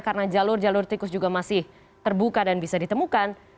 karena jalur jalur tikus juga masih terbuka dan bisa ditemukan